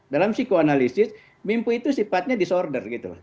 dalam psikoanalisis mimpi itu sifatnya disorder gitu